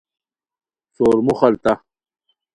سورمو خلتہ